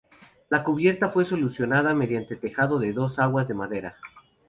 La cubierta fue solucionada mediante tejado a dos aguas de madera.